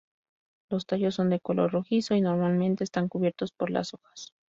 Los tallos son de color rojizo y normalmente están cubiertos por las hojas.